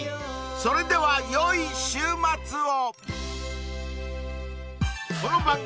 ［それでは良い週末を］